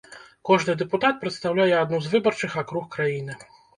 Кожны дэпутат прадстаўляе адну з выбарчых акруг краіны.